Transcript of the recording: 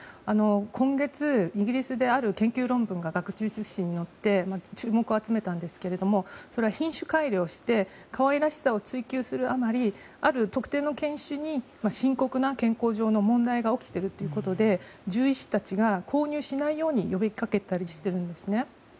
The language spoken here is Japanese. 今月、イギリスである研究論文が載って注目を集めたんですがそれは品種改良して可愛らしさを追求するあまり特定の犬種に深刻な健康上の問題が起きているということで獣医師たちが購入しないように呼び掛けたりしているんです。